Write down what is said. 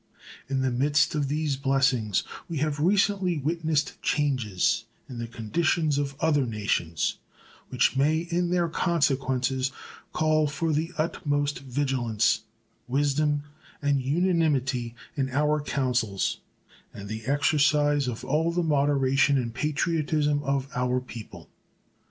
In the midst of these blessings we have recently witnessed changes in the conditions of other nations which may in their consequences call for the utmost vigilance, wisdom, and unanimity in our councils, and the exercise of all the moderation and patriotism of our people.